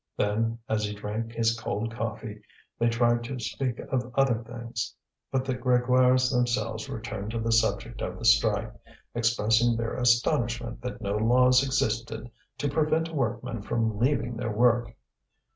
Then, as he drank his cold coffee, they tried to speak of other things. But the Grégoires themselves returned to the subject of the strike, expressing their astonishment that no laws existed to prevent workmen from leaving their work.